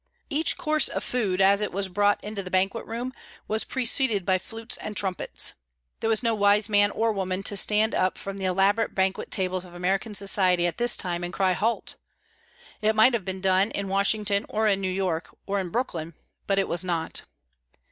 Each course of food, as it was brought into the banquet room, was preceded by flutes and trumpets. There was no wise man or woman to stand up from the elaborate banquet tables of American society at this time and cry "Halt!" It might have been done in Washington, or in New York, or in Brooklyn, but it was not.